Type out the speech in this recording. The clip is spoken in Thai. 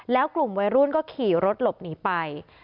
แล้วกลุ่มวัยรุ่นก็ขี่รถหลบหนีไป